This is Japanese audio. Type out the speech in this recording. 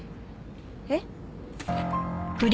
えっ？